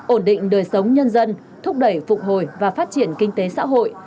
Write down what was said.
ổn định đời sống nhân dân thúc đẩy phục hồi và phát triển kinh tế xã hội